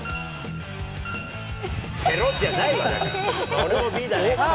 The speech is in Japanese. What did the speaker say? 俺もＢだね。